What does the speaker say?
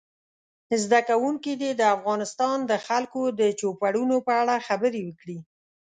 زده کوونکي دې د افغانستان د خلکو د چوپړونو په اړه خبرې وکړي.